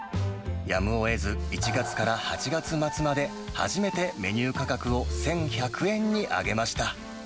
やむをえず１月から８月末まで初めてメニュー価格を１１００円に上げました。